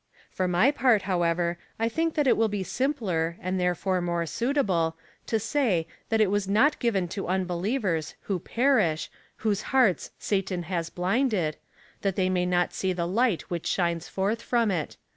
For mj part, however, I think that it will be simpler, and therefore more suitable, to say that it was not given to unbelievers, who perish, whose hearts Satan has blinded, that they may not see the light which shines forth from it.